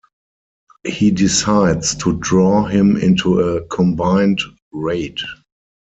He decides to draw him into a combined raid.